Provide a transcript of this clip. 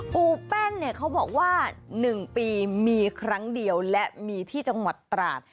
ปูแป้นเนี่ยเขาบอกว่า๑ปีมีครั้งเดียวและมีที่จังหวัดตราด